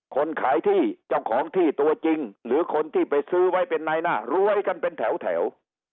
คนขายที่เจ้าของที่ตัวจริงหรือคนที่ไปซื้อไว้เป็นในหน้ารวยกันเป็นแถว